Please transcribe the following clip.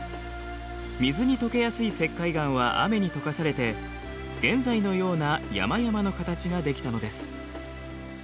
水に溶けやすい石灰岩は雨に溶かされて現在のような山々の形が出来たのです。